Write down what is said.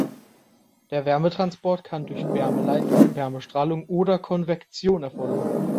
Der Wärmetransport kann durch Wärmeleitung, Wärmestrahlung oder Konvektion erfolgen.